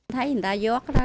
thấy người ta giót đó